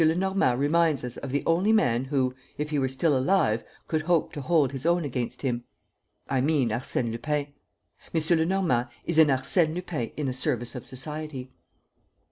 Lenormand reminds us of the only man who, if he were still alive, could hope to hold his own against him: I mean Arsène Lupin. M. Lenormand is an Arsène Lupin in the service of society."